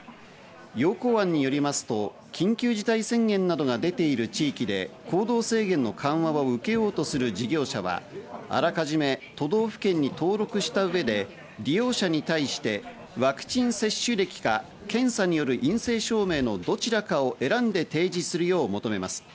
要綱案によりますと、緊急事態宣言などが出ている地域で行動制限の緩和を受けようとする事業者はあらかじめ都道府県に登録した上で、利用者に対してワクチン接種歴か検査による陰性証明のどちらかを選んで提示するよう求めます。